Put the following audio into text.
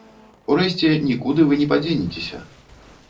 Урэшце, нікуды вы не падзенецеся!